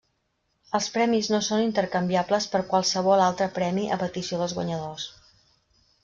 Els premis no són intercanviables per qualsevol altre premi a petició dels guanyadors.